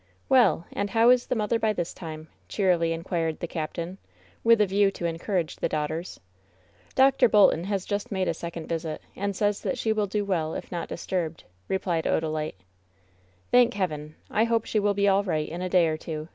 "Well ! And how is the mother by this time V^ cheer ily inquired the captain, with a view to encourage the daughters. "Dr. Bolton has just made a second visit, and says that she will do well, if not disturbed," replied Odalite. "Thank Heaven! I hope she will be all right in a day or two